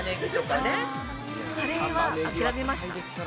カレーは諦めました。